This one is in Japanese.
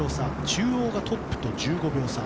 中央がトップと１５秒差